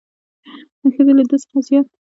ښځې له دې څخه زیات